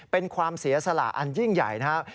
เป็นความเสียสละอันยิ่งใหญ่นะครับ